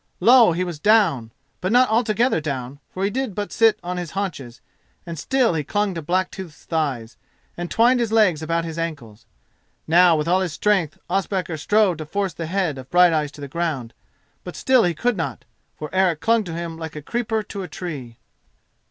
Lo! he was down, but not altogether down, for he did but sit upon his haunches, and still he clung to Blacktooth's thighs, and twined his legs about his ankles. Now with all his strength Ospakar strove to force the head of Brighteyes to the ground, but still he could not, for Eric clung to him like a creeper to a tree.